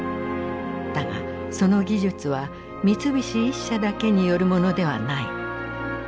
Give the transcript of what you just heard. だがその技術は三菱一社だけによるものではない。